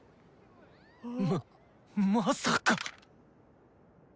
ままさか。